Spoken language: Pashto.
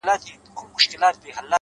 چي ته حال راكړې گرانه زه درځمه؛